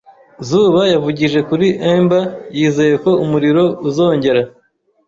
Zuba yavugije kuri ember, yizeye ko umuriro uzongera.